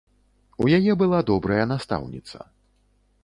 У яе была добрая настаўніца.